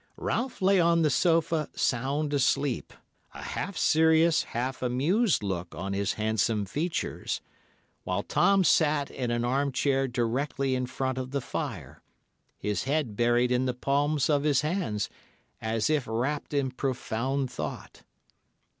Ralph lay on the sofa, sound asleep, a half serious, half amused look on his handsome features, while Tom sat in an armchair directly in front of the fire, his head buried in the palms of his hands, as if wrapt in profound thought.